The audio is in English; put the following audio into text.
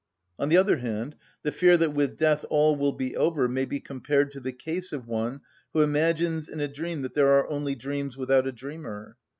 On the other hand, the fear that with death all will be over may be compared to the case of one who imagines in a dream that there are only dreams without a dreamer.